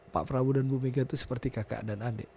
pak prabowo dan bu mega itu seperti kakak dan adik